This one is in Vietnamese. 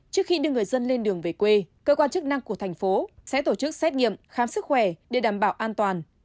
trước khi đưa người dân lên đường về quê cơ quan chức năng của thành phố sẽ tổ chức xét nghiệm khám sức khỏe để đảm bảo an toàn